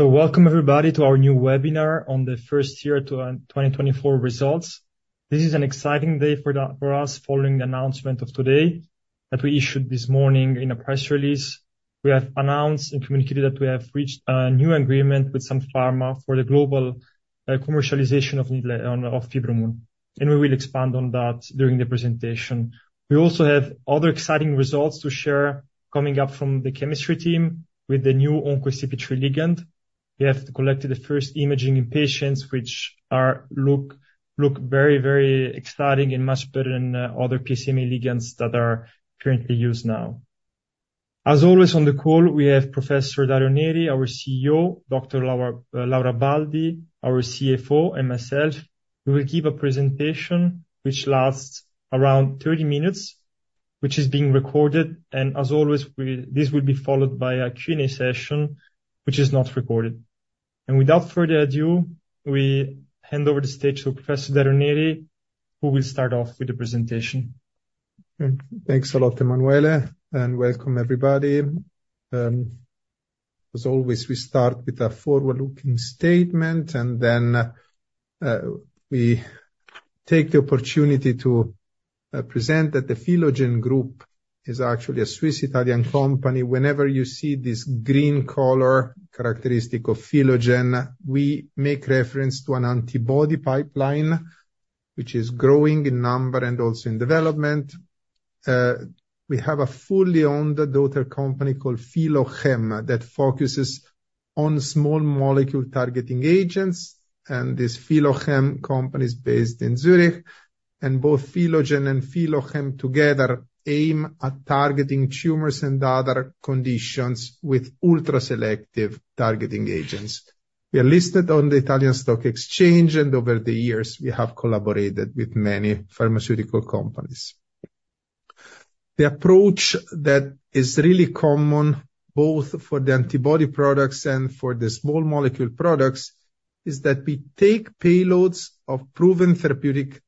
Welcome, everybody, to our new webinar on the first year 2024 results. This is an exciting day for us, following the announcement of today, that we issued this morning in a press release. We have announced and communicated that we have reached a new agreement with Sun Pharma for the global commercialization of Nidlegy, of Fibromun, and we will expand on that during the presentation. We also have other exciting results to share coming up from the chemistry team with the new OncoACP3 ligand. We have collected the first imaging in patients, which look very, very exciting and much better than other PSMA ligands that are currently used now. As always, on the call, we have Professor Dario Neri, our CEO, Dr. Laura Baldi, our CFO, and myself. We will give a presentation which lasts around thirty minutes, which is being recorded, and as always, this will be followed by a Q&A session, which is not recorded. Without further ado, we hand over the stage to Professor Dario Neri, who will start off with the presentation. Thanks a lot, Emanuele, and welcome everybody. As always, we start with a forward-looking statement, and then we take the opportunity to present that the Philogen group is actually a Swiss Italian company. Whenever you see this green color, characteristic of Philogen, we make reference to an antibody pipeline, which is growing in number and also in development. We have a fully owned daughter company called Philochem, that focuses on small molecule targeting agents, and this Philochem company is based in Zurich, and both Philogen and Philochem together aim at targeting tumors and other conditions with ultra-selective targeting agents. We are listed on the Italian Stock Exchange, and over the years, we have collaborated with many pharmaceutical companies. The approach that is really common, both for the antibody products and for the small molecule products, is that we take payloads of proven therapeutic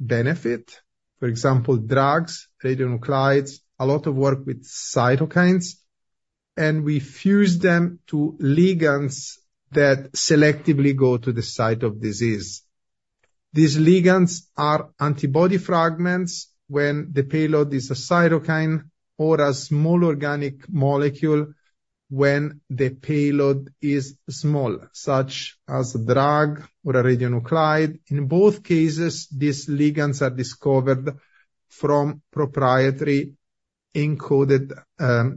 benefit, for example, drugs, radionuclides, a lot of work with cytokines, and we fuse them to ligands that selectively go to the site of disease. These ligands are antibody fragments when the payload is a cytokine or a small organic molecule when the payload is small, such as a drug or a radionuclide. In both cases, these ligands are discovered from proprietary encoded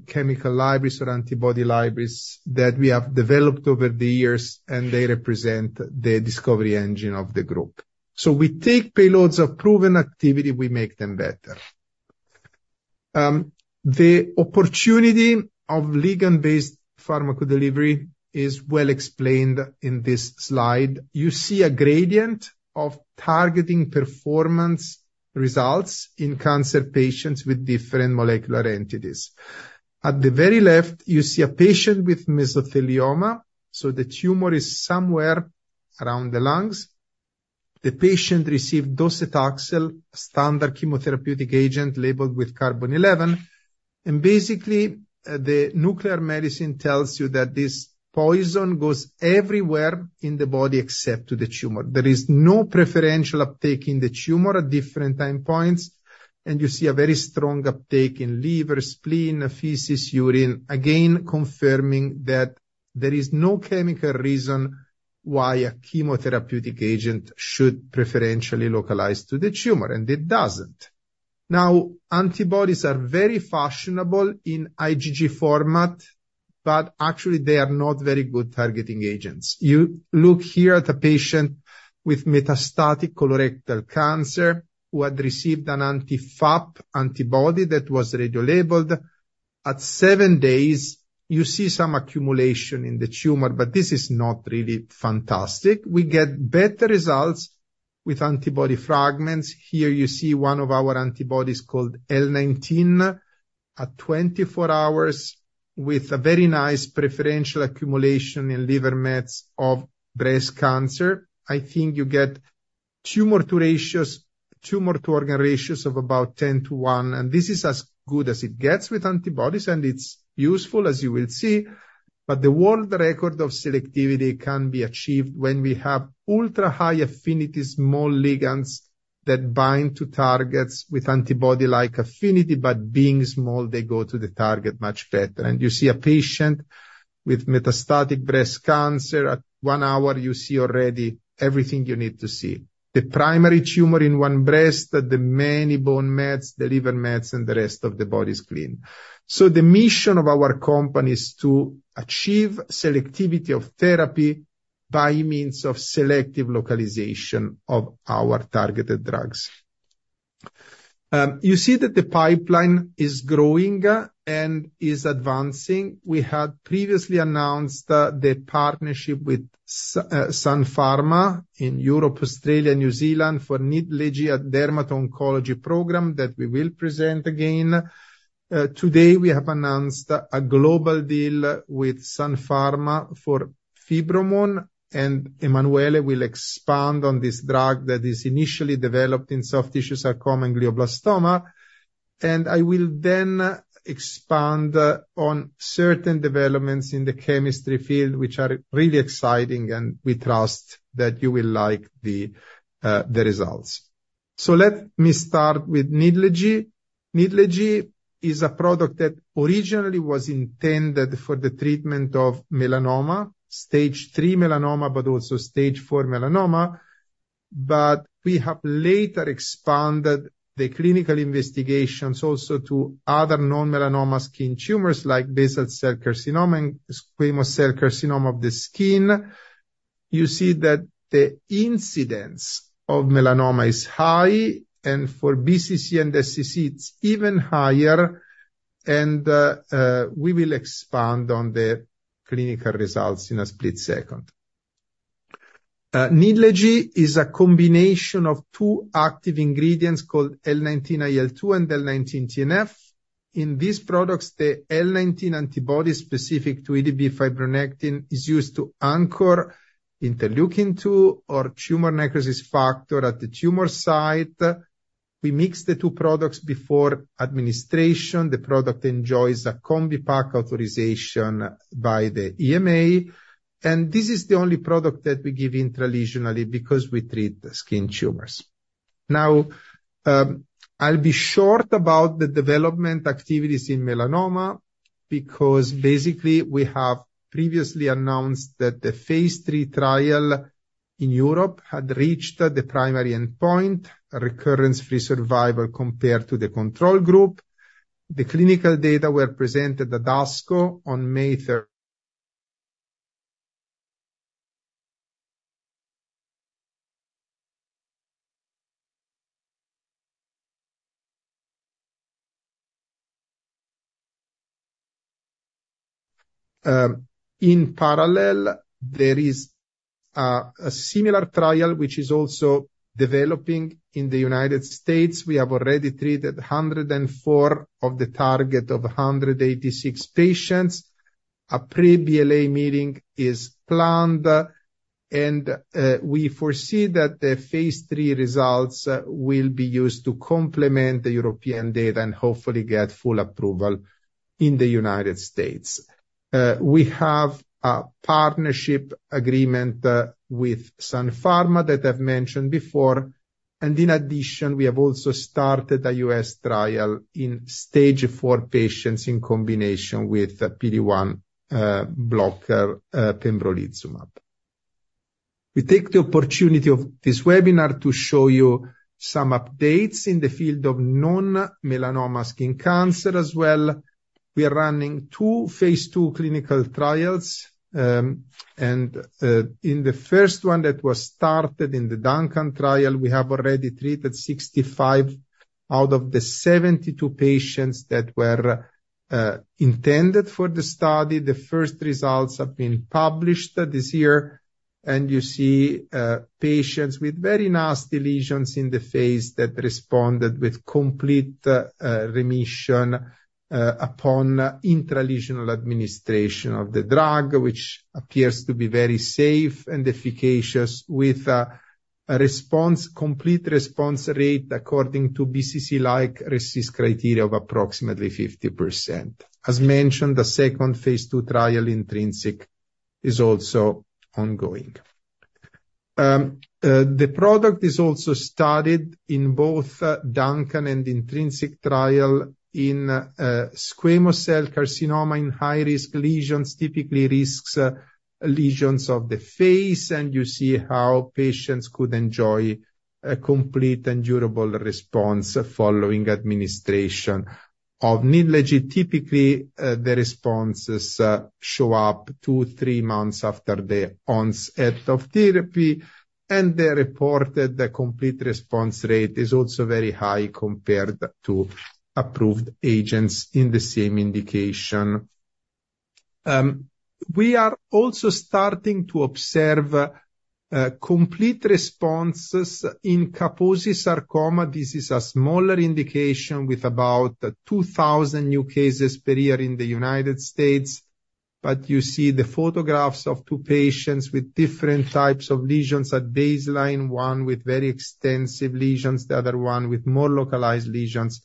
chemical libraries or antibody libraries that we have developed over the years, and they represent the discovery engine of the group. So we take payloads of proven activity, we make them better. The opportunity of ligand-based pharmacodelivery is well explained in this slide. You see a gradient of targeting performance results in cancer patients with different molecular entities. At the very left, you see a patient with mesothelioma, so the tumor is somewhere around the lungs. The patient received docetaxel, standard chemotherapeutic agent, labeled with carbon-11, and basically, the nuclear medicine tells you that this poison goes everywhere in the body except to the tumor. There is no preferential uptake in the tumor at different time points, and you see a very strong uptake in liver, spleen, feces, urine. Again, confirming that there is no chemical reason why a chemotherapeutic agent should preferentially localize to the tumor, and it doesn't. Now, antibodies are very fashionable in IgG format, but actually, they are not very good targeting agents. You look here at a patient with metastatic colorectal cancer, who had received an anti-FAP antibody that was radiolabeled. At seven days, you see some accumulation in the tumor, but this is not really fantastic. We get better results with antibody fragments. Here you see one of our antibodies called L19, at twenty-four hours with a very nice preferential accumulation in liver mets of breast cancer. I think you get tumor to ratios, tumor to organ ratios of about ten to one, and this is as good as it gets with antibodies, and it's useful, as you will see. But the world record of selectivity can be achieved when we have ultra-high affinity, small ligands that bind to targets with antibody-like affinity, but being small, they go to the target much better. And you see a patient with metastatic breast cancer. At one hour, you see already everything you need to see. The primary tumor in one breast, the many bone mets, the liver mets, and the rest of the body is clean. The mission of our company is to achieve selectivity of therapy by means of selective localization of our targeted drugs. You see that the pipeline is growing and is advancing. We had previously announced the partnership with Sun Pharma in Europe, Australia, and New Zealand for Nidlegy dermatoncology program that we will present again. Today, we have announced a global deal with Sun Pharma for Fibromun, and Emanuele will expand on this drug that is initially developed in soft tissue sarcoma and glioblastoma. I will then expand on certain developments in the chemistry field, which are really exciting, and we trust that you will like the results. Let me start with Nidlegy. Nidlegy is a product that originally was intended for the treatment of melanoma, Stage 3 melanoma, but also Stage 4 melanoma. but we have later expanded the clinical investigations also to other non-melanoma skin tumors, like basal cell carcinoma and squamous cell carcinoma of the skin. You see that the incidence of melanoma is high, and for BCC and SCC, it's even higher, and we will expand on the clinical results in a split second. Nidlegy is a combination of two active ingredients called L19-IL2 and L19-TNF. In these products, the L19 antibody, specific to EDB fibronectin, is used to anchor interleukin two or tumor necrosis factor at the tumor site. We mix the two products before administration. The product enjoys a Combipack authorization by the EMA, and this is the only product that we give intralesionally because we treat the skin tumors. Now, I'll be short about the development activities in melanoma, because basically, we have previously announced that the phase III trial in Europe had reached the primary endpoint, recurrence-free survival compared to the control group. The clinical data were presented at ASCO on May third. In parallel, there is a similar trial which is also developing in the United States. We have already treated 104 of the target of 186 patients. A pre-BLA meeting is planned, and we foresee that the phase III results will be used to complement the European data and hopefully get full approval in the United States. We have a partnership agreement with Sun Pharma that I've mentioned before, and in addition, we have also started a U.S. trial in Stage 4 patients in combination with the PD-1 blocker, pembrolizumab. We take the opportunity of this webinar to show you some updates in the field of non-melanoma skin cancer as well. We are running two phase II clinical trials, in the first one that was started in the DUNCAN trial, we have already treated 65 out of the 72 patients that were intended for the study. The first results have been published this year, and you see patients with very nasty lesions in the face that responded with complete remission upon intralesional administration of the drug, which appears to be very safe and efficacious, with a response, complete response rate, according to BCC-like RECIST criteria of approximately 50%. As mentioned, the second phase II trial, INTRINSIC, is also ongoing. The product is also studied in both DUNCAN and INTRINSIC trials in squamous cell carcinoma in high-risk lesions of the face, and you see how patients could enjoy a complete and durable response following administration of Nidlegy. Typically, the responses show up two, three months after the onset of therapy, and they reported the complete response rate is also very high compared to approved agents in the same indication. We are also starting to observe complete responses in Kaposi sarcoma. This is a smaller indication with about 2000 new cases per year in the United States. But you see the photographs of two patients with different types of lesions at baseline, one with very extensive lesions, the other one with more localized lesions.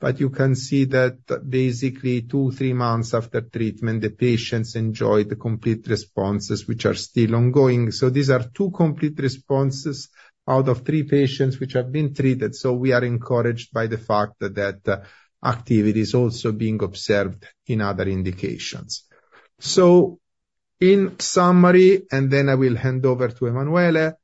But you can see that basically, two, three months after treatment, the patients enjoyed the complete responses, which are still ongoing. So these are two complete responses out of three patients, which have been treated, so we are encouraged by the fact that, activity is also being observed in other indications. So in summary, and then I will hand over to Emanuele,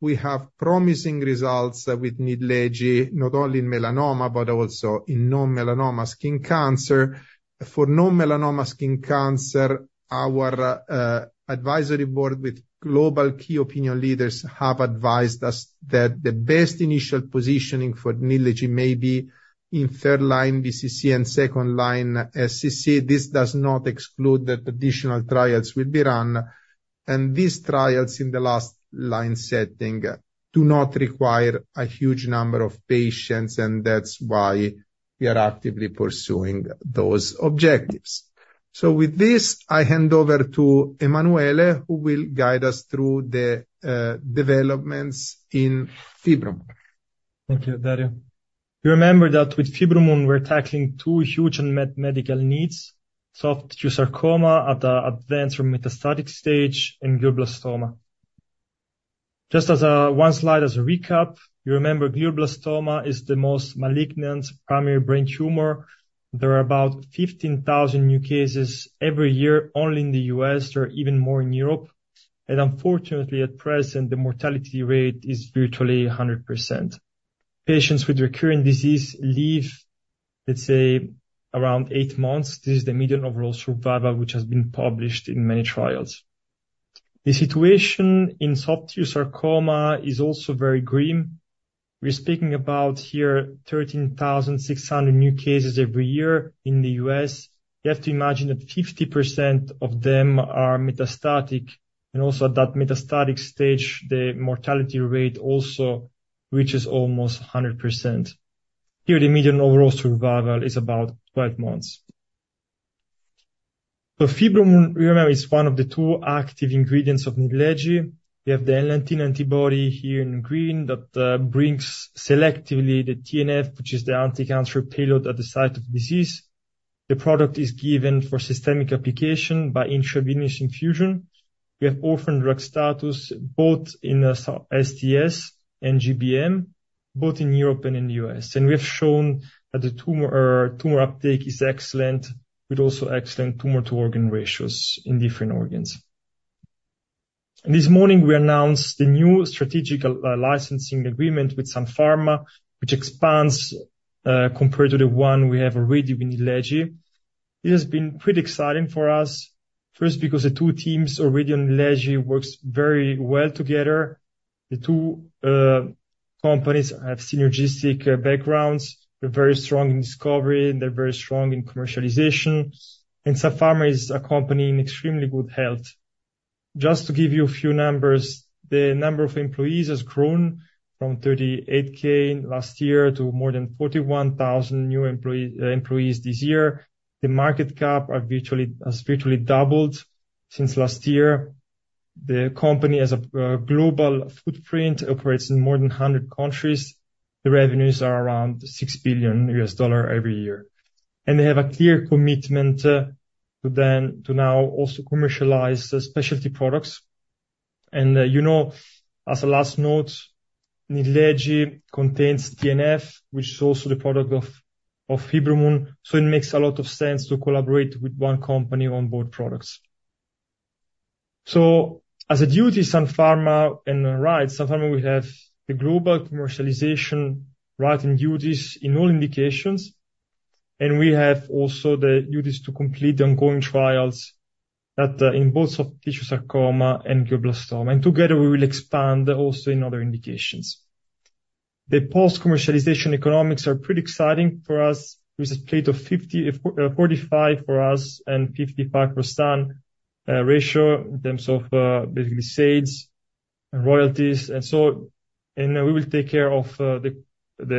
we have promising results with Nidlegy, not only in melanoma but also in non-melanoma skin cancer. For non-melanoma skin cancer, our, advisory board with global key opinion leaders have advised us that the best initial positioning for Nidlegy may be in third line BCC and second line SCC. This does not exclude that additional trials will be run, and these trials in the last line setting do not require a huge number of patients, and that's why we are actively pursuing those objectives. So with this, I hand over to Emanuele, who will guide us through the developments in Fibro. Thank you, Dario. You remember that with Fibromun, we're tackling two huge unmet medical needs, soft tissue sarcoma at the advanced or metastatic stage, and glioblastoma. Just as one slide as a recap, you remember glioblastoma is the most malignant primary brain tumor. There are about fifteen thousand new cases every year, only in the U.S., there are even more in Europe. And unfortunately, at present, the mortality rate is virtually 100%. Patients with recurring disease live, let's say, around eight months. This is the median overall survival, which has been published in many trials. The situation in soft tissue sarcoma is also very grim. We're speaking about here thirteen thousand six hundred new cases every year in the U.S. You have to imagine that 50% of them are metastatic, and also at that metastatic stage, the mortality rate also reaches almost 100%. Here, the median overall survival is about 12 months. The Fibromun is one of the two active ingredients of Nidlegy. We have the antibody here in green, that brings selectively the TNF, which is the anti-cancer payload at the site of disease. The product is given for systemic application by intravenous infusion. We have orphan drug status, both in the STS and GBM, both in Europe and in the U.S., and we have shown that the tumor, tumor uptake is excellent, with also excellent tumor to organ ratios in different organs, and this morning, we announced the new strategic, licensing agreement with Sun Pharma, which expands, compared to the one we have already with Nidlegy. It has been pretty exciting for us, first because the two teams already on Nidlegy works very well together. The two companies have synergistic backgrounds. They're very strong in discovery, and they're very strong in commercialization, and Sun Pharma is a company in extremely good health. Just to give you a few numbers, the number of employees has grown from 38,000 last year to more than 41,000 new employees this year. The market cap has virtually doubled since last year. The company has a global footprint, operates in more than 100 countries. The revenues are around $6 billion every year. And they have a clear commitment to now also commercialize the specialty products. And, you know, as a last note, Nidlegy contains TNF, which is also the product of Fibromun, so it makes a lot of sense to collaborate with one company on both products. As a duty, Sun Pharma and rights, Sun Pharma will have the global commercialization rights and duties in all indications, and we also have the duties to complete the ongoing trials in both soft tissue sarcoma and glioblastoma. Together, we will expand also in other indications. The post-commercialization economics are pretty exciting for us. There's a split of 45 for us and 55 for Sun ratio in terms of basically sales and royalties. We will take care of the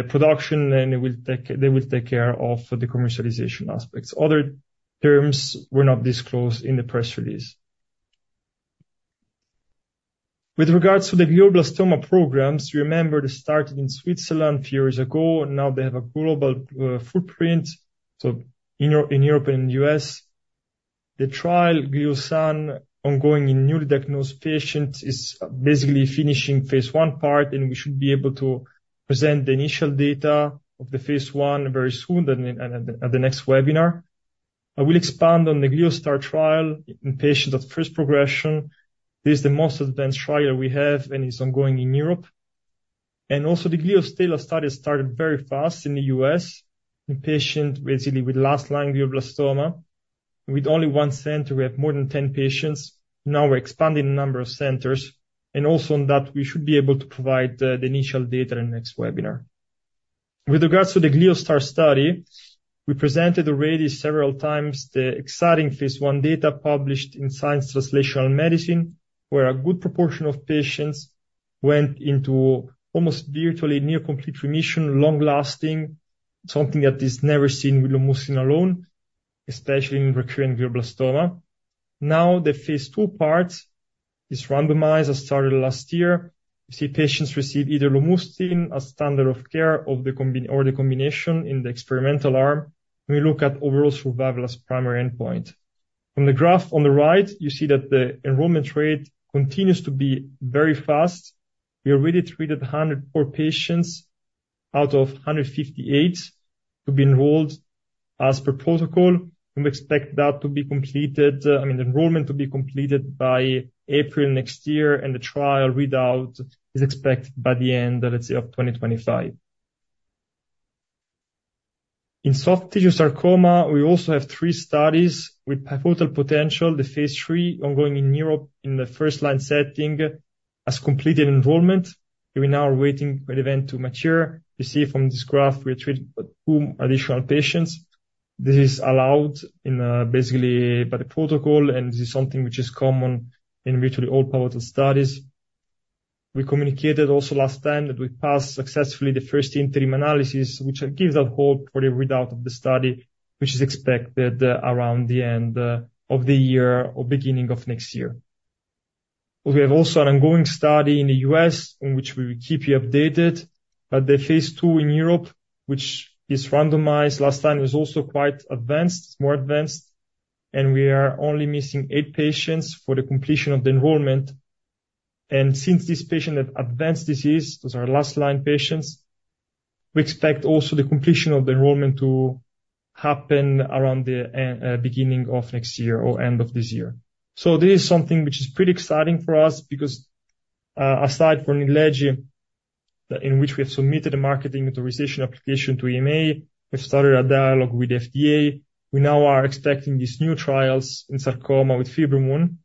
production, and they will take care of the commercialization aspects. Other terms were not disclosed in the press release. With regards to the glioblastoma programs, you remember they started in Switzerland a few years ago, and now they have a global footprint, so in Europe and U.S. The trial GLIOSUN, ongoing in newly diagnosed patients, is basically finishing phase I part, and we should be able to present the initial data of the phase I very soon, and then at the next webinar. I will expand on the GLIOSTAR trial in patients of first progression. This is the most advanced trial we have, and it's ongoing in Europe. Also, the GLIOSTELLA study started very fast in the U.S., in patients, basically, with last-line glioblastoma. With only one center, we have more than 10 patients. Now we're expanding the number of centers, and also on that, we should be able to provide the initial data in the next webinar. With regards to the GLIOSTAR study, we presented already several times the exciting phase I data published in Science Translational Medicine, where a good proportion of patients went into almost virtually near complete remission, long lasting, something that is never seen with lomustine alone, especially in recurrent glioblastoma. Now, the phase II part is randomized, it started last year. You see patients receive either lomustine as standard of care, or the combination in the experimental arm, and we look at overall survival as primary endpoint. From the graph on the right, you see that the enrollment rate continues to be very fast. We already treated 104 patients out of 158 to be enrolled as per protocol. We expect that to be completed, I mean, the enrollment to be completed by April next year, and the trial readout is expected by the end, let's say, of 2025. In soft tissue sarcoma, we also have three studies with powerful potential. The phase III, ongoing in Europe in the first line setting, has completed enrollment. We now are waiting for events to mature. You see from this graph, we treated two additional patients. This is allowed in, basically by the protocol, and this is something which is common in virtually all powerful studies. We communicated also last time that we passed successfully the first interim analysis, which gives us hope for the readout of the study, which is expected, around the end, of the year or beginning of next year. We have also an ongoing study in the U.S., on which we will keep you updated, but the phase II in Europe, which is randomized, last time was also quite advanced, more advanced, and we are only missing eight patients for the completion of the enrollment. Since these patients have advanced disease, those are last line patients, we expect also the completion of the enrollment to happen around the beginning of next year or end of this year. This is something which is pretty exciting for us, because aside from Nidlegy, in which we have submitted a marketing authorization application to EMA, we've started a dialogue with FDA. We now are expecting these new trials in sarcoma with Fibromun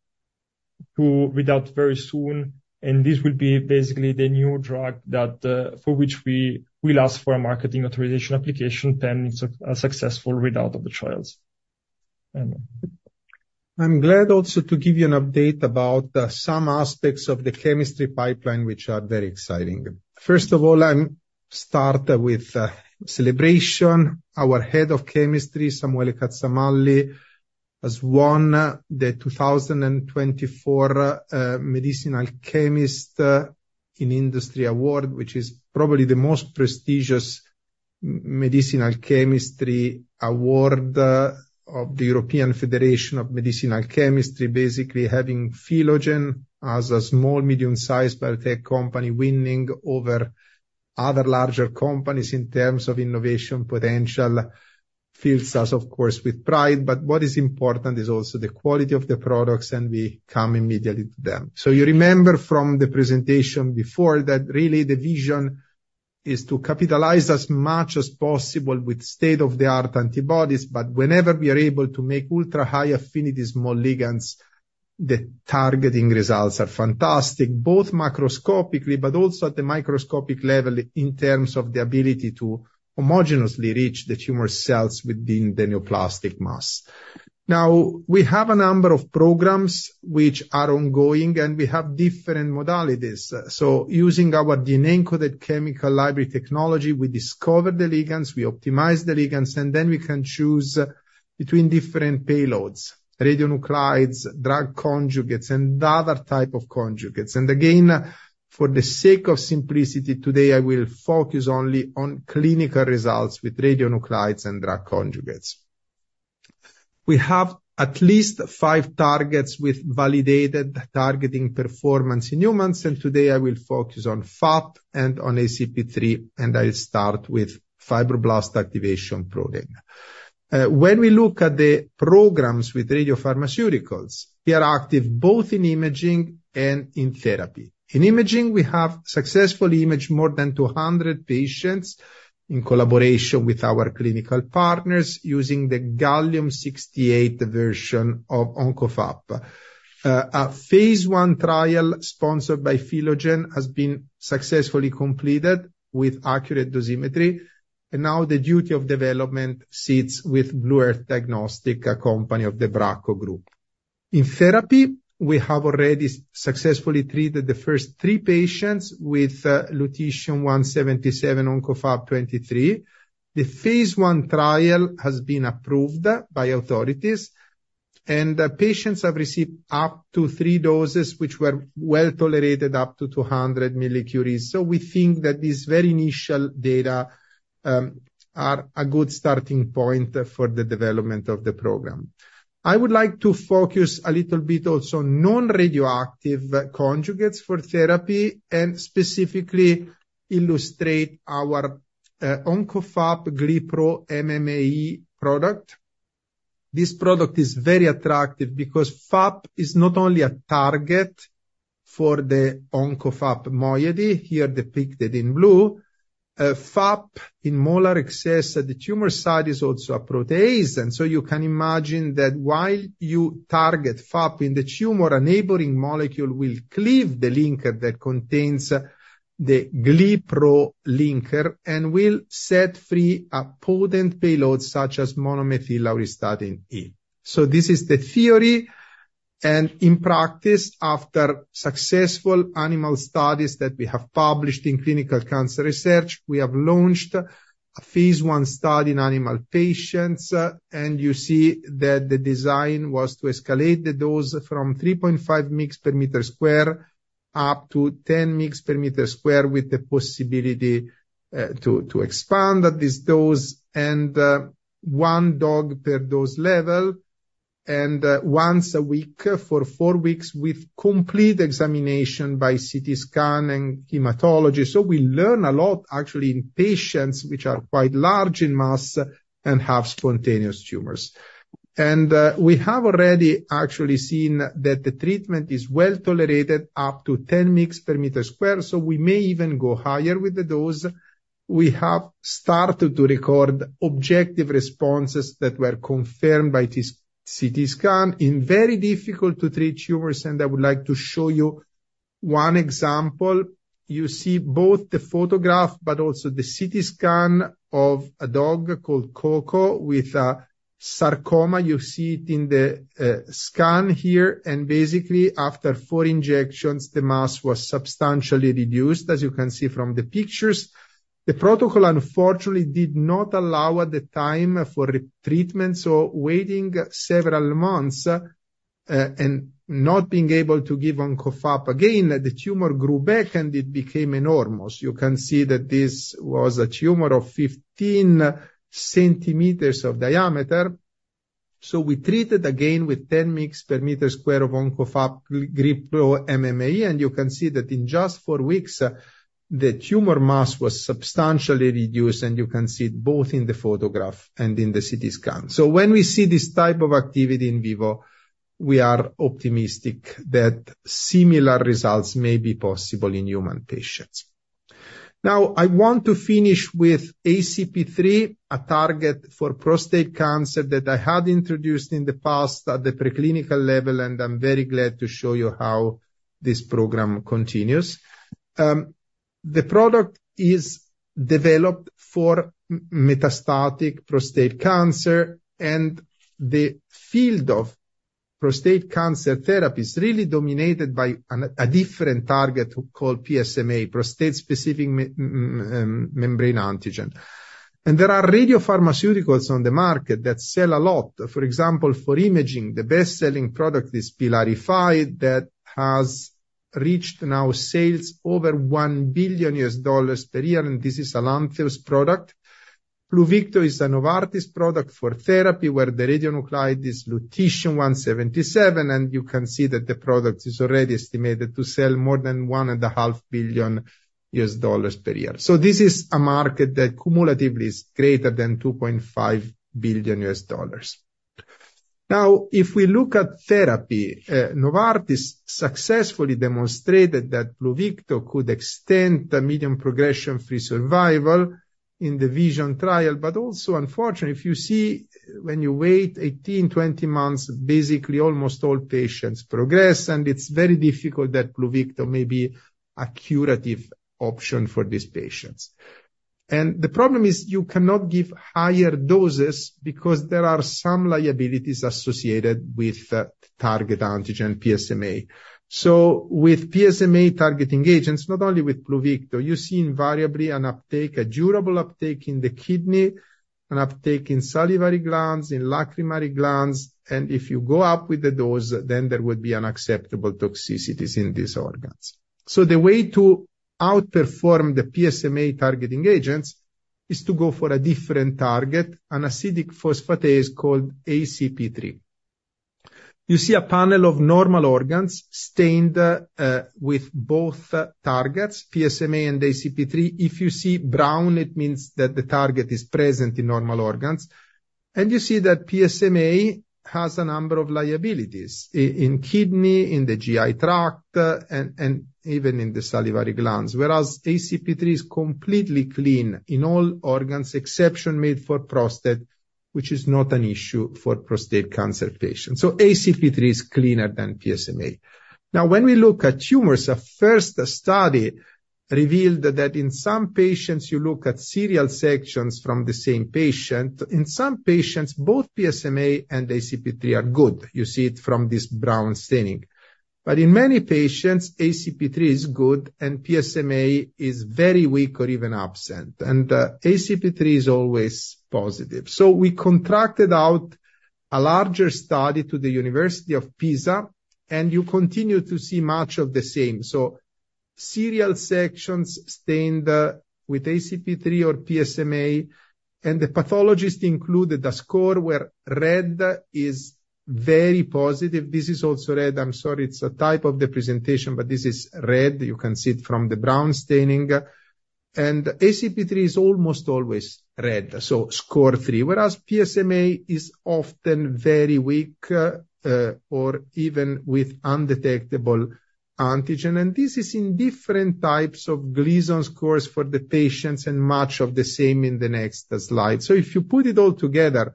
to read out very soon, and this will be basically the new drug that for which we will ask for a marketing authorization application, then it's a successful readout of the trials. I'm glad also to give you an update about some aspects of the chemistry pipeline, which are very exciting. First of all, I'll start with celebration. Our head of chemistry, Samuele Cazzamalli, has won the 2024 Medicinal Chemist in Industry Award, which is probably the most prestigious medicinal chemistry award of the European Federation of Medicinal Chemistry. Basically, having Philogen as a small, medium-sized biotech company, winning over other larger companies in terms of innovation potential, fills us, of course, with pride. But what is important is also the quality of the products, and we come immediately to them. You remember from the presentation before, that really the vision is to capitalize as much as possible with state-of-the-art antibodies, but whenever we are able to make ultra-high affinity small ligands, the targeting results are fantastic, both macroscopically, but also at the microscopic level in terms of the ability to homogeneously reach the tumor cells within the neoplastic mass. Now, we have a number of programs which are ongoing, and we have different modalities. Using our DNA-encoded chemical library technology, we discover the ligands, we optimize the ligands, and then we can choose between different payloads, radionuclides, drug conjugates, and other type of conjugates. Again, for the sake of simplicity, today, I will focus only on clinical results with radionuclides and drug conjugates. We have at least five targets with validated targeting performance in humans, and today I will focus on FAP and on ACP3, and I'll start with fibroblast activation protein. When we look at the programs with radiopharmaceuticals, we are active both in imaging and in therapy. In imaging, we have successfully imaged more than 200 patients in collaboration with our clinical partners using the gallium-68 version of OncoFAP. A phase I trial, sponsored by Philogen, has been successfully completed with accurate dosimetry, and now the duty of development sits with Blue Earth Diagnostics, a company of the Bracco Group. In therapy, we have already successfully treated the first three patients with lutetium-177 OncoFAP-23. The phase I trial has been approved by authorities, and the patients have received up to three doses, which were well tolerated up to 200 millicuries. We think that this very initial data are a good starting point for the development of the program. I would like to focus a little bit also on non-radioactive conjugates for therapy, and specifically illustrate our OncoFAP-GlyPro-MMAE product. This product is very attractive, because FAP is not only a target for the OncoFAP moiety, here depicted in blue. FAP, in molar excess at the tumor site, is also a protease, and so you can imagine that while you target FAP in the tumor, a neighboring molecule will cleave the linker that contains the GlyPro linker, and will set free a potent payload, such as monomethyl auristatin E. So this is the theory, and in practice, after successful animal studies that we have published in Clinical Cancer Research, we have launched a phase I study in animal patients, and you see that the design was to escalate the dose from 3.5 mg per meter square, up to 10 mg per meter square, with the possibility to expand at this dose, and one dog per dose level, and once a week for four weeks with complete examination by CT scan and hematology. So we learn a lot, actually, in patients which are quite large in mass and have spontaneous tumors. And we have already actually seen that the treatment is well tolerated up to 10 mg per meter square, so we may even go higher with the dose. We have started to record objective responses that were confirmed by this CT scan in very difficult to treat tumors, and I would like to show you one example. You see both the photograph but also the CT scan of a dog called Coco with a sarcoma. You see it in the scan here, and basically, after four injections, the mass was substantially reduced, as you can see from the pictures. The protocol unfortunately did not allow at the time for retreatment, so waiting several months, and not being able to give OncoFAP again, the tumor grew back, and it became enormous. You can see that this was a tumor of 15 cm of diameter. So we treated again with 10 mg per square meter of OncoFAP-GlyPro-MMAE, and you can see that in just four weeks, the tumor mass was substantially reduced, and you can see it both in the photograph and in the CT scan. So when we see this type of activity in vivo, we are optimistic that similar results may be possible in human patients. Now, I want to finish with ACP3, a target for prostate cancer that I had introduced in the past at the preclinical level, and I'm very glad to show you how this program continues. The product is developed for metastatic prostate cancer, and the field of prostate cancer therapy is really dominated by a different target called PSMA, prostate-specific membrane antigen. And there are radiopharmaceuticals on the market that sell a lot. For example, for imaging, the best-selling product is Pylarify, that has reached now sales over $1 billion per year, and this is Amgen's product. Pluvicto is a Novartis product for therapy, where the radionuclide is lutetium-177, and you can see that the product is already estimated to sell more than $1.5 billion per year. So this is a market that cumulatively is greater than $2.5 billion. Now, if we look at therapy, Novartis successfully demonstrated that Pluvicto could extend the median progression-free survival in the VISION trial, but also, unfortunately, if you see, when you wait 18-20 months, basically almost all patients progress, and it's very difficult that Pluvicto may be a curative option for these patients. And the problem is you cannot give higher doses because there are some liabilities associated with target antigen PSMA. So with PSMA targeting agents, not only with Pluvicto, you see invariably an uptake, a durable uptake in the kidney, an uptake in salivary glands, in lacrimal glands, and if you go up with the dose, then there would be unacceptable toxicities in these organs. So the way to outperform the PSMA targeting agents is to go for a different target, an acid phosphatase called ACP3. You see a panel of normal organs stained with both targets, PSMA and ACP3. If you see brown, it means that the target is present in normal organs. You see that PSMA has a number of liabilities in kidney, in the GI tract, and even in the salivary glands, whereas ACP3 is completely clean in all organs, exception made for prostate, which is not an issue for prostate cancer patients. ACP3 is cleaner than PSMA. Now, when we look at tumors, a first study revealed that in some patients, you look at serial sections from the same patient. In some patients, both PSMA and ACP3 are good. You see it from this brown staining. But in many patients, ACP3 is good and PSMA is very weak or even absent, and ACP3 is always positive. We contracted out a larger study to the University of Pisa, and you continue to see much of the same. So serial sections stained with ACP3 or PSMA, and the pathologist included a score where red is very positive. This is also red. I'm sorry, it's a type of the presentation, but this is red. You can see it from the brown staining. And ACP3 is almost always red, so score three, whereas PSMA is often very weak or even with undetectable antigen. And this is in different types of Gleason scores for the patients, and much of the same in the next slide. So if you put it all together,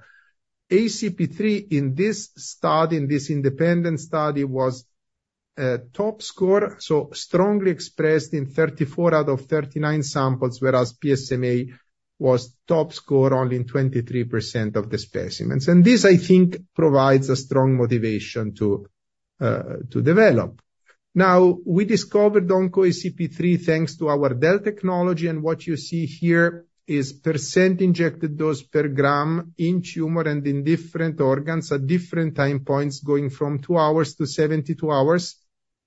ACP3 in this study, in this independent study, was a top scorer, so strongly expressed in 34 out of 39 samples, whereas PSMA was top score only in 23% of the specimens. And this, I think, provides a strong motivation to develop. Now, we discovered OncoACP3 thanks to our DEL technology, and what you see here is percent injected dose per gram in tumor and in different organs at different time points, going from two hours to 72 hours.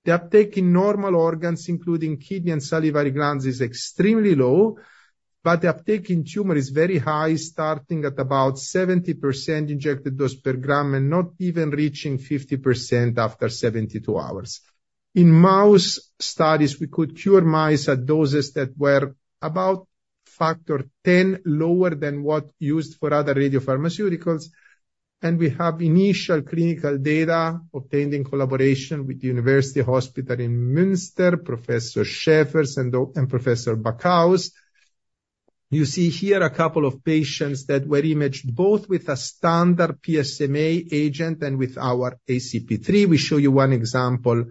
The uptake in normal organs, including kidney and salivary glands, is extremely low, but the uptake in tumor is very high, starting at about 70% injected dose per gram and not even reaching 50% after 72 hours. In mouse studies, we could cure mice at doses that were about factor 10 lower than what used for other radiopharmaceuticals, and we have initial clinical data obtained in collaboration with the University Hospital Münster, Professor Schäfers and Professor Backhaus. You see here a couple of patients that were imaged both with a standard PSMA agent and with our ACP3. We show you one example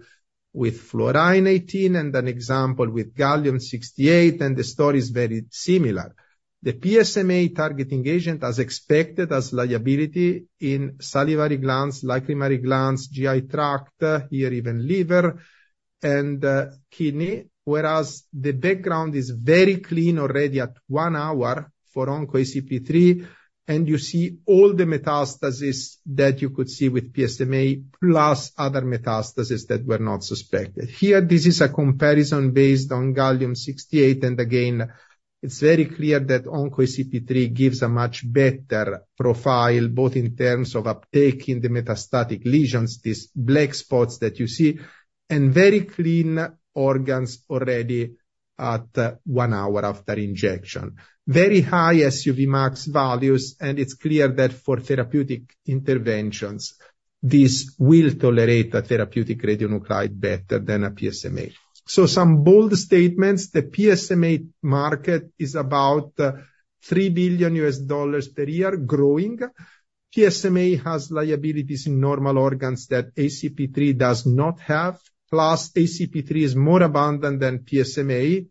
with fluorine-18 and an example with gallium-68, and the story is very similar. The PSMA targeting agent, as expected, has uptake in salivary glands, lacrimal glands, GI tract, here even liver and kidney. Whereas the background is very clean already at one hour for OncoACP3, and you see all the metastases that you could see with PSMA, plus other metastases that were not suspected. Here, this is a comparison based on gallium-68, and again, it's very clear that OncoACP3 gives a much better profile, both in terms of uptake in the metastatic lesions, these black spots that you see, and very clean organs already at one hour after injection. Very high SUV max values, and it's clear that for therapeutic interventions, this will tolerate a therapeutic radionuclide better than a PSMA. So, some bold statements. The PSMA market is about $3 billion per year, growing. PSMA has liabilities in normal organs that ACP3 does not have, plus ACP3 is more abundant than PSMA.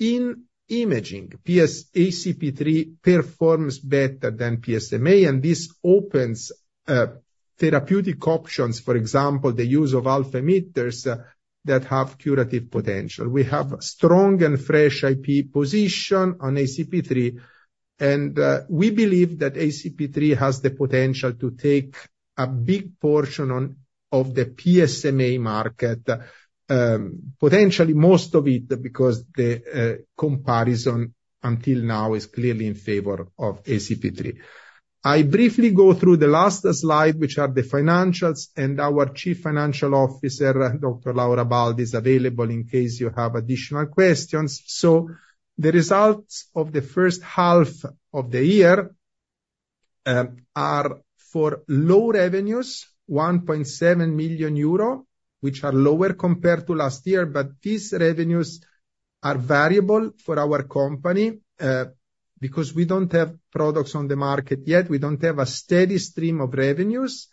In imaging, ACP3 performs better than PSMA, and this opens therapeutic options, for example, the use of alpha emitters that have curative potential. We have strong and fresh IP position on ACP3, and we believe that ACP3 has the potential to take a big portion on, of the PSMA market, potentially most of it, because the comparison until now is clearly in favor of ACP3. I briefly go through the last slide, which are the financials, and our Chief Financial Officer, Dr. Laura Baldi, is available in case you have additional questions. So the results of the first half of the year are for low revenues, 1.7 million euro, which are lower compared to last year, but these revenues are variable for our company, because we don't have products on the market yet. We don't have a steady stream of revenues.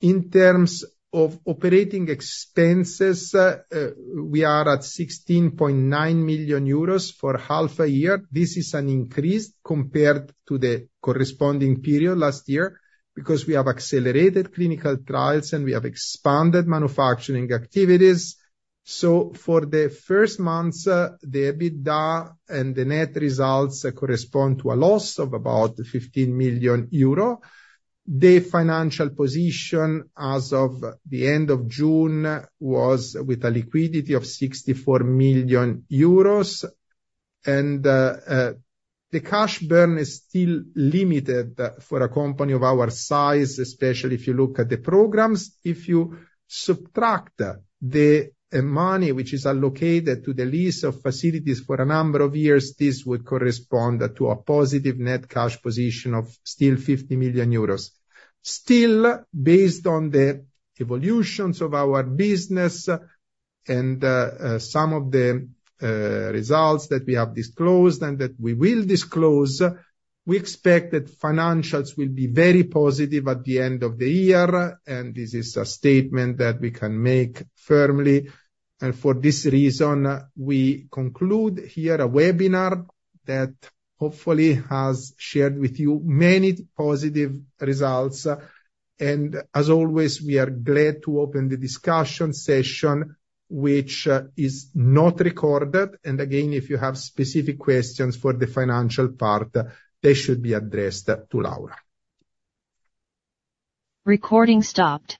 In terms of operating expenses, we are at 16.9 million euros for half a year. This is an increase compared to the corresponding period last year, because we have accelerated clinical trials, and we have expanded manufacturing activities. So for the first months, the EBITDA and the net results correspond to a loss of about 15 million euro. The financial position as of the end of June was with a liquidity of 64 million euros, and the cash burn is still limited for a company of our size, especially if you look at the programs. If you subtract the money which is allocated to the lease of facilities for a number of years, this would correspond to a positive net cash position of still 50 million euros. Still, based on the evolutions of our business and some of the results that we have disclosed and that we will disclose, we expect that financials will be very positive at the end of the year, and this is a statement that we can make firmly, and for this reason, we conclude here a webinar that hopefully has shared with you many positive results. As always, we are glad to open the discussion session, which is not recorded. Again, if you have specific questions for the financial part, they should be addressed to Laura. Recording stopped.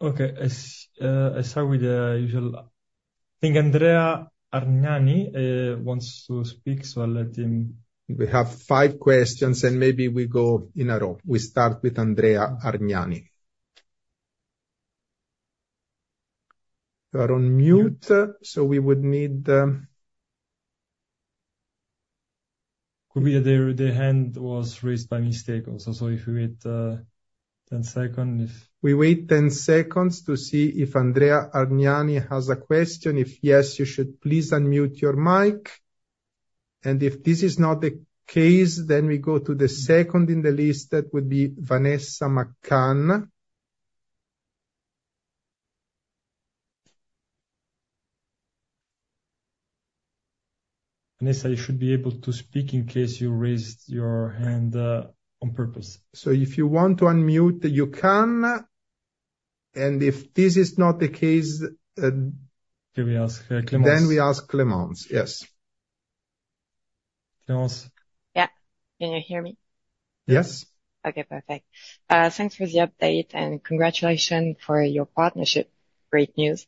Okay. As I start with the usual... I think Andrea Arniani wants to speak, so I'll let him- We have five questions, and maybe we go in a row. We start with Andrea Arniani. You are on mute, so we would need, Could be that the hand was raised by mistake also, so if we wait ten seconds if- We wait 10 seconds to see if Andrea Arniani has a question. If yes, you should please unmute your mic, and if this is not the case, then we go to the second in the list. That would be Vanessa McCann. Vanessa, you should be able to speak in case you raised your hand, on purpose. So if you want to unmute, you can. And if this is not the case, Then we ask, Clémence. Then we ask Clémence. Yes. Clémence? Yeah. Can you hear me? Yes. Okay, perfect. Thanks for the update, and congratulations for your partnership. Great news.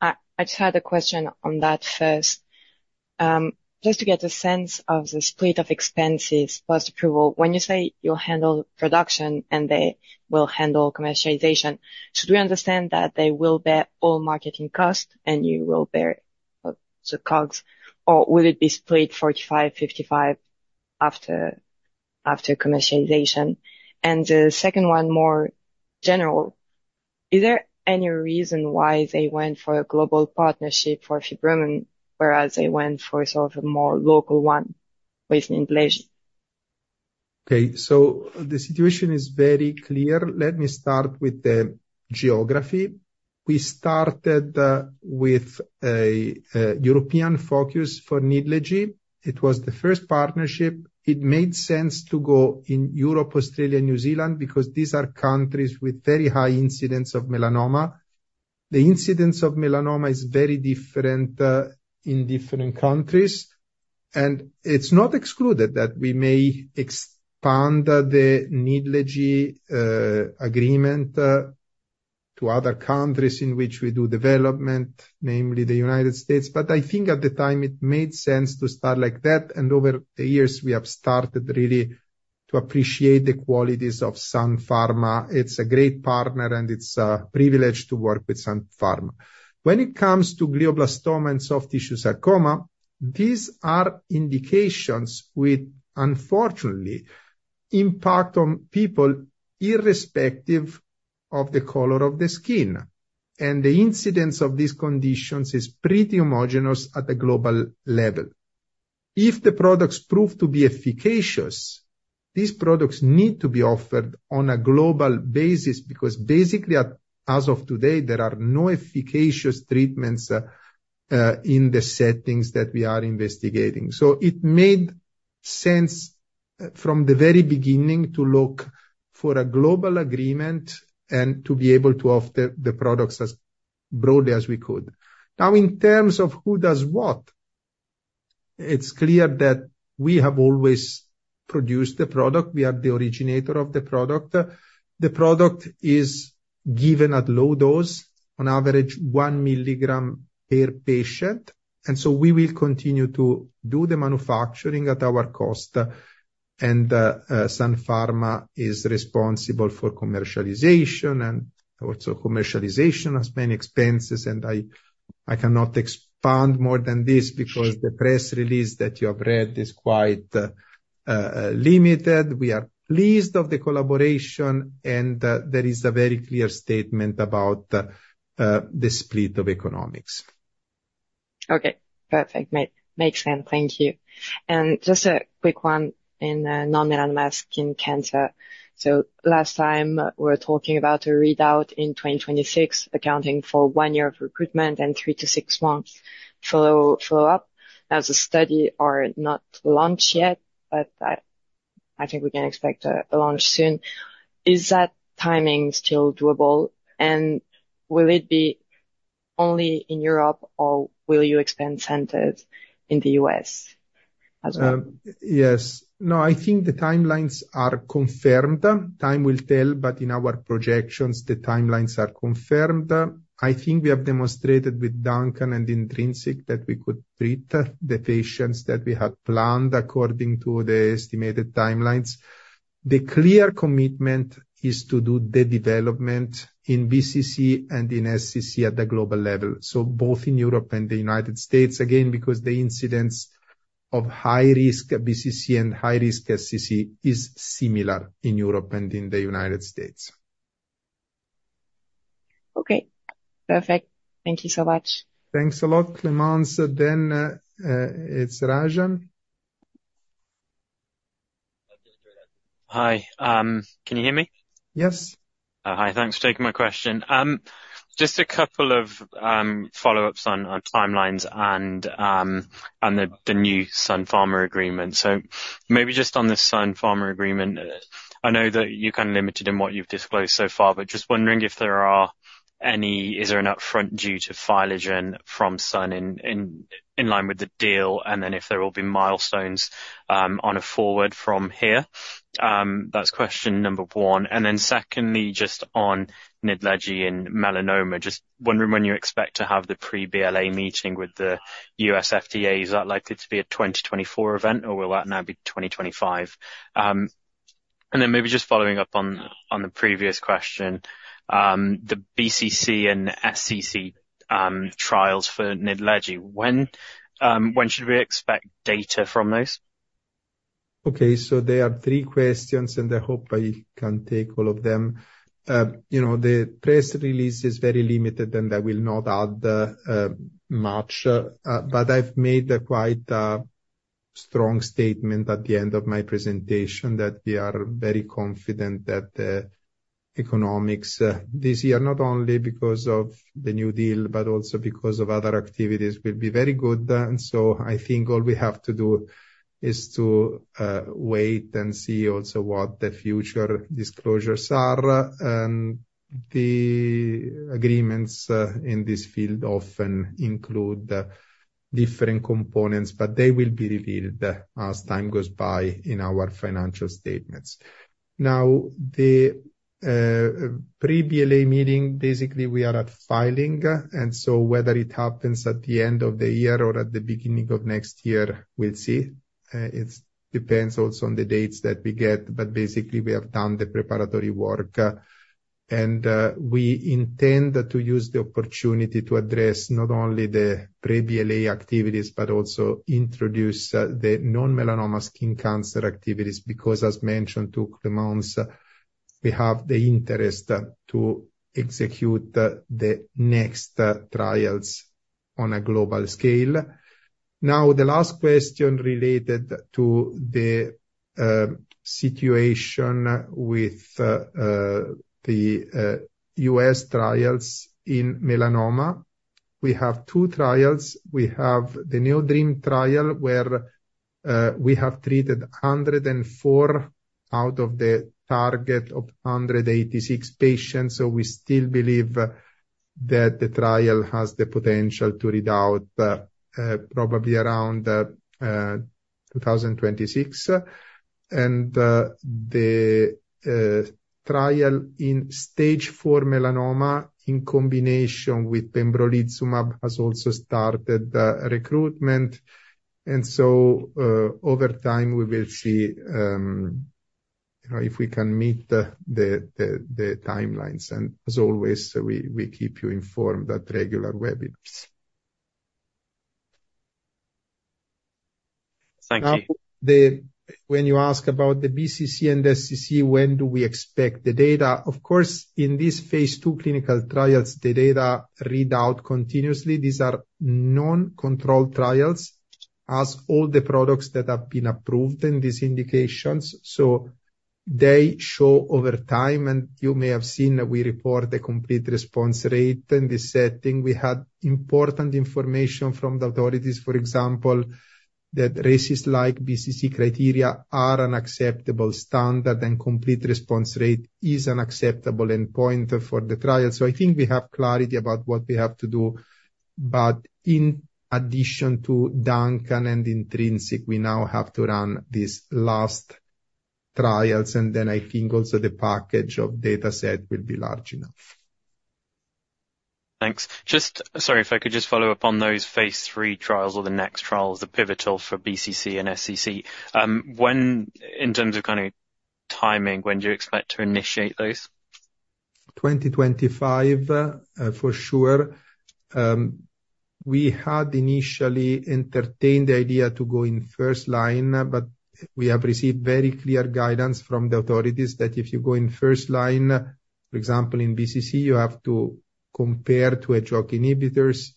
I just had a question on that first. Just to get a sense of the split of expenses, post-approval, when you say you'll handle production and they will handle commercialization, should we understand that they will bear all marketing costs, and you will bear the COGS, or will it be split 45, 55 after commercialization? And the second one, more general, is there any reason why they went for a global partnership for Fibromun, whereas they went for sort of a more local one with Nidlegy? Okay, so the situation is very clear. Let me start with the geography. We started with a European focus for Nidlegy. It was the first partnership. It made sense to go in Europe, Australia, and New Zealand, because these are countries with very high incidence of melanoma. The incidence of melanoma is very different in different countries, and it's not excluded that we may expand the Nidlegy agreement to other countries in which we do development, namely the United States. But I think at the time, it made sense to start like that, and over the years, we have started really to appreciate the qualities of Sun Pharma. It's a great partner, and it's a privilege to work with Sun Pharma. When it comes to glioblastoma and soft tissue sarcoma, these are indications which unfortunately impact on people, irrespective of the color of the skin, and the incidence of these conditions is pretty homogenous at the global level. If the products prove to be efficacious, these products need to be offered on a global basis, because basically, as of today, there are no efficacious treatments in the settings that we are investigating. So it made sense from the very beginning to look for a global agreement and to be able to offer the products as broadly as we could. Now, in terms of who does what, it's clear that we have always produced the product. We are the originator of the product. The product is given at low dose, on average one milligram per patient, and so we will continue to do the manufacturing at our cost, and Sun Pharma is responsible for commercialization, and also commercialization has many expenses, and I cannot expand more than this, because the press release that you have read is quite limited. We are pleased of the collaboration, and there is a very clear statement about the split of economics. Okay. Perfect. Makes sense. Thank you. And just a quick one in non-melanoma skin cancer. So last time, we're talking about a readout in 2026, accounting for one year of recruitment and three to six months follow-up. Now, the study are not launched yet, but I think we can expect a launch soon. Is that timing still doable, and will it be only in Europe, or will you expand centers in the U.S. as well? Yes. No, I think the timelines are confirmed. Time will tell, but in our projections, the timelines are confirmed. I think we have demonstrated with Duncan and Intrinsic that we could treat the patients that we had planned according to the estimated timelines. The clear commitment is to do the development in BCC and in SCC at the global level, so both in Europe and the United States, again, because the incidence of high risk BCC and high risk SCC is similar in Europe and in the United States. Okay, perfect. Thank you so much. Thanks a lot, Clemence. Then, it's Rajan. Hi. Can you hear me? Yes. Hi. Thanks for taking my question. Just a couple of follow-ups on timelines and on the new Sun Pharma agreement. So maybe just on the Sun Pharma agreement, I know that you're kind of limited in what you've disclosed so far, but just wondering if there are any. Is there an upfront due to Philogen from Sun in line with the deal, and then if there will be milestones on a forward from here? That's question number one. And then secondly, just on Nidlegy and melanoma, just wondering when you expect to have the pre-BLA meeting with the U.S. FDA. Is that likely to be a 2024 event, or will that now be 2025? And then maybe just following up on the previous question, the BCC and SCC trials for Nidlegy, when should we expect data from those? Okay, so there are three questions, and I hope I can take all of them. You know, the press release is very limited, and I will not add much, but I've made a quite strong statement at the end of my presentation that we are very confident that the economics this year, not only because of the new deal but also because of other activities, will be very good. And so I think all we have to do is to wait and see also what the future disclosures are. And the agreements in this field often include different components, but they will be revealed as time goes by in our financial statements. Now, the pre-BLA meeting, basically, we are at filing, and so whether it happens at the end of the year or at the beginning of next year, we'll see. It depends also on the dates that we get, but basically, we have done the preparatory work, and we intend to use the opportunity to address not only the pre-BLA activities but also introduce the non-melanoma skin cancer activities, because, as mentioned to Clemence, we have the interest to execute the next trials on a global scale. Now, the last question related to the situation with the U.S. trials in melanoma. We have two trials. We have the Neo-DREAM trial, where we have treated 104 out of the target of 186 patients, so we still believe that the trial has the potential to read out, probably around 2026. The trial in Stage 4 melanoma in combination with pembrolizumab has also started recruitment, and so, over time, we will see, you know, if we can meet the timelines. As always, we keep you informed at regular webbys. Thank you. Now, when you ask about the BCC and SCC, when do we expect the data? Of course, in these phase II clinical trials, the data read out continuously. These are non-controlled trials, as all the products that have been approved in these indications. So they show over time, and you may have seen that we report the complete response rate in this setting. We had important information from the authorities, for example, that RECIST-like BCC criteria are an acceptable standard, and complete response rate is an acceptable endpoint for the trial. So I think we have clarity about what we have to do, but in addition to DUNCAN and INTRINSIC, we now have to run these last trials, and then I think also the package of dataset will be large enough. Thanks. Sorry, if I could just follow up on those phase III trials or the next trials, the pivotal for BCC and SCC. In terms of kind of timing, when do you expect to initiate those? 2025, for sure. We had initially entertained the idea to go in first line, but we have received very clear guidance from the authorities that if you go in first line, for example, in BCC, you have to compare to Hedgehog inhibitors.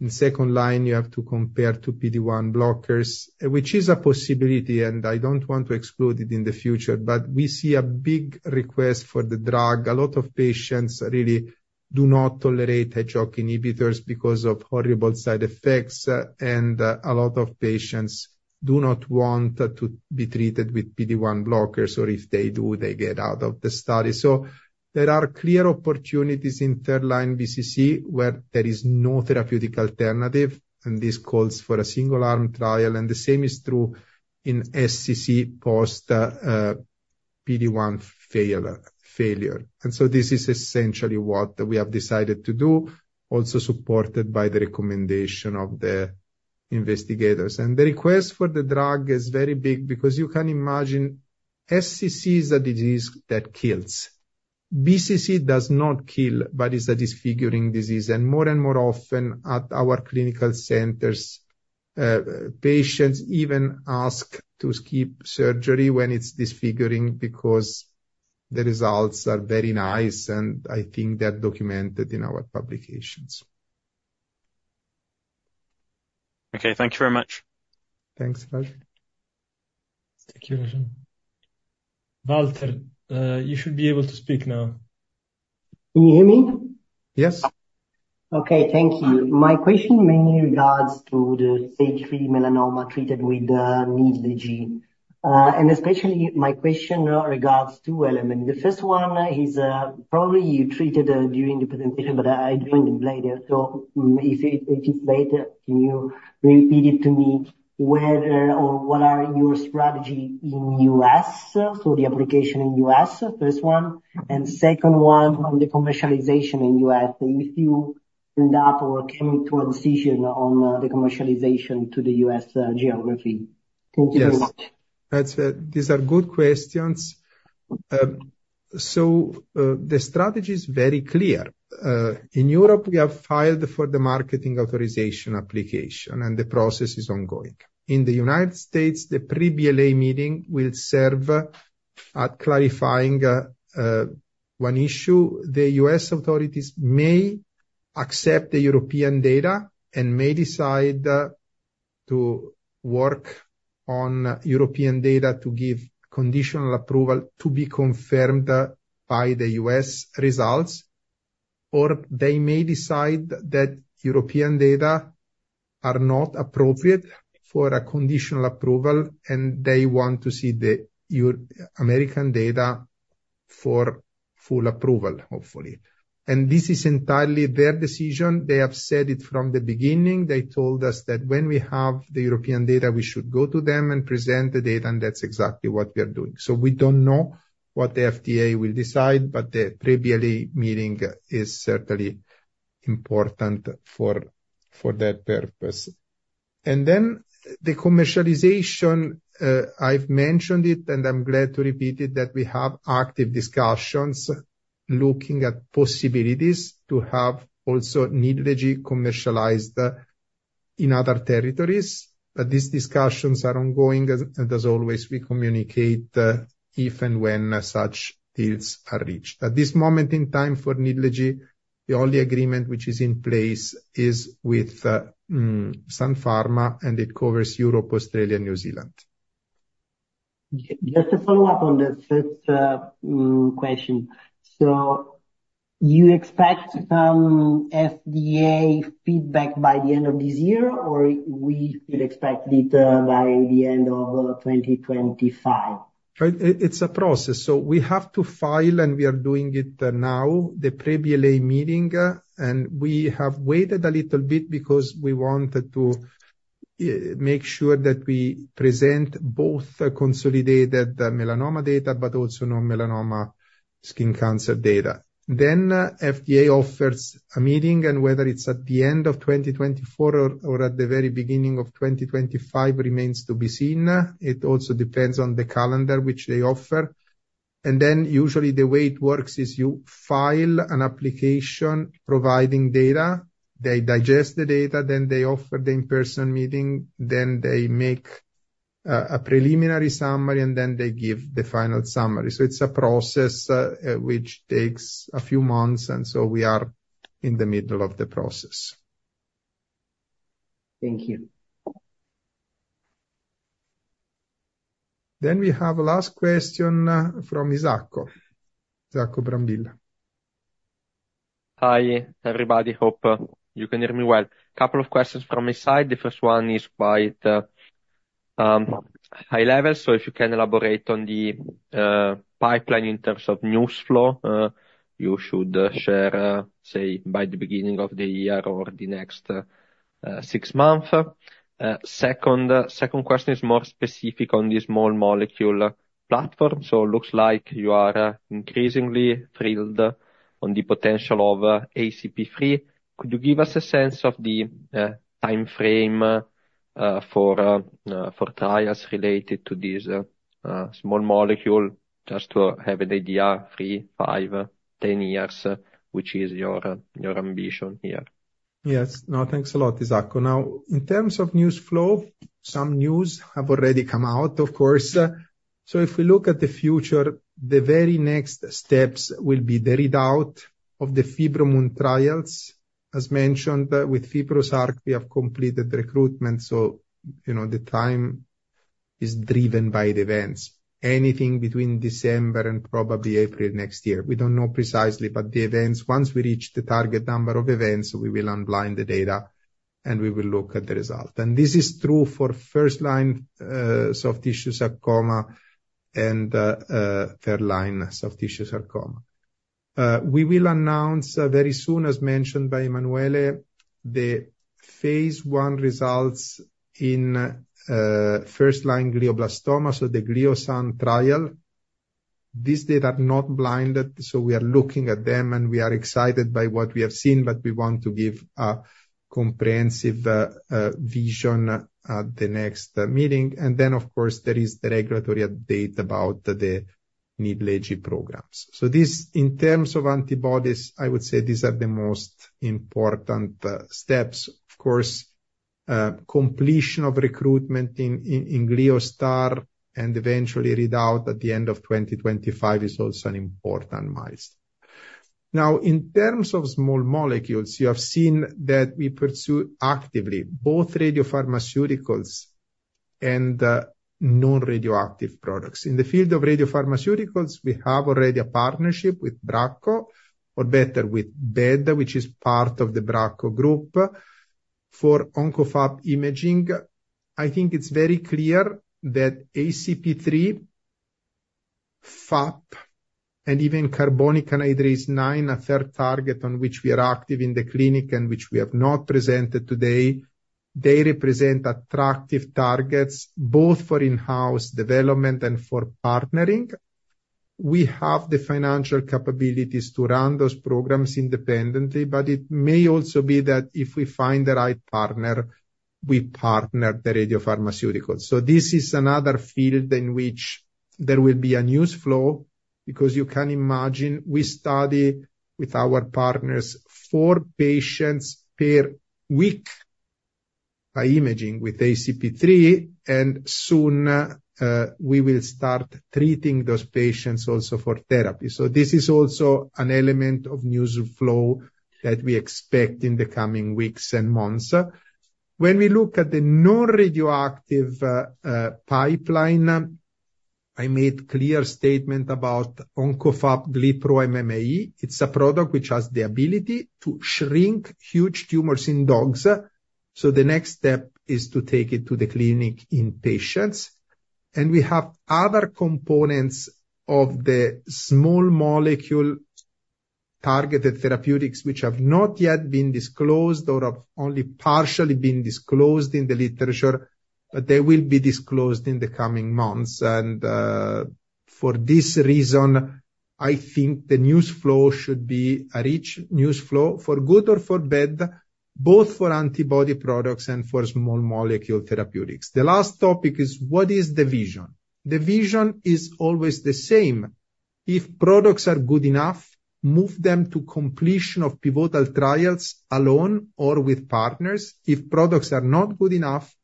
In second line, you have to compare to PD-1 blockers, which is a possibility, and I don't want to exclude it in the future. But we see a big request for the drug. A lot of patients really do not tolerate Hedgehog inhibitors because of horrible side effects, and a lot of patients do not want to be treated with PD-1 blockers, or if they do, they get out of the study. So there are clear opportunities in third line BCC, where there is no therapeutic alternative, and this calls for a single arm trial. The same is true in SCC post PD-1 failure. This is essentially what we have decided to do, also supported by the recommendation of the investigators. The request for the drug is very big because you can imagine SCC is a disease that kills. BCC does not kill, but is a disfiguring disease. More and more often at our clinical centers, patients even ask to skip surgery when it's disfiguring, because the results are very nice, and I think they're documented in our publications. Okay, thank you very much. Thanks, Raj. Thank you, Raj. Walter, you should be able to speak now. Can you hear me? Yes. Okay, thank you. My question mainly regards to the Stage 3 melanoma treated with Nidlegy. And especially my question regards two elements. The first one is, probably you touched on during the presentation, but I didn't write it. So if it's late, can you repeat it to me, whether or what is your strategy in U.S., so the application in U.S.? First one. And second one on the commercialization in U.S., if you end up or come to a decision on the commercialization to the U.S. geography. Thank you very much. Yes. These are good questions. The strategy is very clear. In Europe, we have filed for the marketing authorization application, and the process is ongoing. In the United States, the pre-BLA meeting will serve to clarify one issue. The U.S. authorities may accept the European data and may decide to work on European data to give conditional approval to be confirmed by the U.S. results, or they may decide that European data are not appropriate for a conditional approval, and they want to see the American data for full approval, hopefully. This is entirely their decision. They have said it from the beginning. They told us that when we have the European data, we should go to them and present the data, and that's exactly what we are doing. So we don't know what the FDA will decide, but the pre-BLA meeting is certainly important for that purpose. And then the commercialization, I've mentioned it, and I'm glad to repeat it, that we have active discussions looking at possibilities to have also Nidlegy commercialized in other territories, but these discussions are ongoing, and as always, we communicate if and when such deals are reached. At this moment in time for Nidlegy, the only agreement which is in place is with Sun Pharma, and it covers Europe, Australia, and New Zealand. Just to follow up on the first question. So you expect FDA feEDBack by the end of this year, or we will expect it by the end of 2025? It's a process, so we have to file, and we are doing it now, the Pre-BLA meeting, and we have waited a little bit because we wanted to make sure that we present both the consolidated melanoma data but also non-melanoma skin cancer data. Then FDA offers a meeting, and whether it's at the end of 2024 or at the very beginning of 2025 remains to be seen. It also depends on the calendar which they offer. And then usually the way it works is you file an application providing data, they digest the data, then they make a preliminary summary, and then they give the final summary. So it's a process which takes a few months, and so we are in the middle of the process. Thank you. Then we have last question from Isacco Brambilla. Hi, everybody. Hope you can hear me well. Couple of questions from my side. The first one is quite high level, so if you can elaborate on the pipeline in terms of news flow you should share, say, by the beginning of the year or the next six month. Second question is more specific on the small molecule platform. So it looks like you are increasingly thrilled on the potential of ACP3. Could you give us a sense of the time frame for trials related to this small molecule, just to have an idea, three, five, 10 years, which is your ambition here? Yes. No, thanks a lot, Isacco. Now, in terms of news flow, some news have already come out, of course. So if we look at the future, the very next steps will be the readout of the Fibromun trials. As mentioned, with FIBROSARC, we have completed recruitment, so, you know, the time is driven by the events, anything between December and probably April next year. We don't know precisely, but the events, once we reach the target number of events, we will unblind the data, and we will look at the result. And this is true for first line, soft tissue sarcoma and, third line, soft tissue sarcoma. We will announce, very soon, as mentioned by Emanuele, the phase I results in, first-line glioblastoma, so the GLIOSUN trial. This data are not blinded, so we are looking at them, and we are excited by what we have seen, but we want to give a comprehensive vision at the next meeting, and then, of course, there is the regulatory update about the Nidlegy programs, so this, in terms of antibodies, I would say these are the most important steps. Of course, completion of recruitment in GLIOSTAR, and eventually readout at the end of 2025 is also an important milestone. Now, in terms of small molecules, you have seen that we pursue actively both radiopharmaceuticals and non-radioactive products. In the field of radiopharmaceuticals, we have already a partnership with Bracco, or better, with Blue Earth Diagnostics, which is part of the Bracco Group, for OncoFAP imaging. I think it's very clear that ACP3, FAP, and even Carbonic Anhydrase IX, a third target on which we are active in the clinic and which we have not presented today, they represent attractive targets, both for in-house development and for partnering. We have the financial capabilities to run those programs independently, but it may also be that if we find the right partner, we partner the radiopharmaceuticals. So this is another field in which there will be a news flow, because you can imagine, we study with our partners four patients per week by imaging with ACP3, and soon, we will start treating those patients also for therapy. So this is also an element of news flow that we expect in the coming weeks and months. When we look at the non-radioactive pipeline, I made clear statement about OncoFAP-GlyPro-MMAE. It's a product which has the ability to shrink huge tumors in dogs. So the next step is to take it to the clinic in patients. And we have other components of the small molecule-targeted therapeutics which have not yet been disclosed or have only partially been disclosed in the literature, but they will be disclosed in the coming months. And, for this reason, I think the news flow should be a rich news flow, for good or for bad, both for antibody products and for small molecule therapeutics. The last topic is: What is the vision? The vision is always the same. If products are good enough, move them to completion of pivotal trials alone or with partners. If products are not good enough,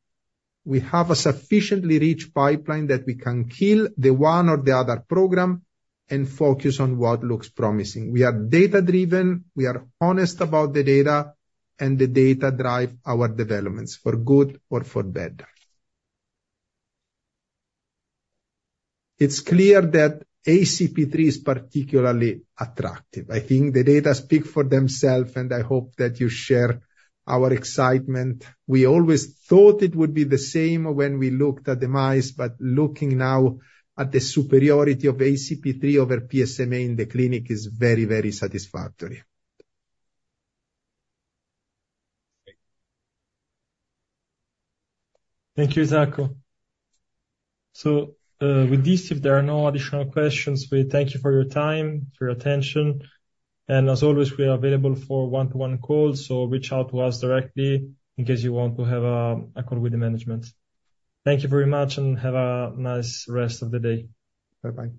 we have a sufficiently rich pipeline that we can kill the one or the other program and focus on what looks promising. We are data-driven, we are honest about the data, and the data drive our developments, for good or for bad. It's clear that ACP3 is particularly attractive. I think the data speak for themselves, and I hope that you share our excitement. We always thought it would be the same when we looked at the mice, but looking now at the superiority of ACP3 over PSMA in the clinic is very, very satisfactory. Thank you, Isacco. So, with this, if there are no additional questions, we thank you for your time, for your attention, and as always, we are available for one-to-one calls, so reach out to us directly in case you want to have a call with the management. Thank you very much, and have a nice rest of the day. Bye-bye.